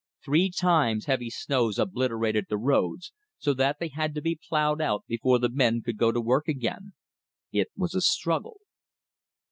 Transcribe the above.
Three times heavy snows obliterated the roads, so that they had to be ploughed out before the men could go to work again. It was a struggle.